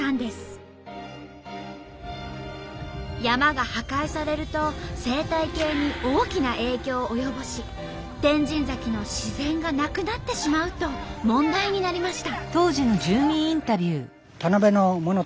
山が破壊されると生態系に大きな影響を及ぼし天神崎の自然がなくなってしまうと問題になりました。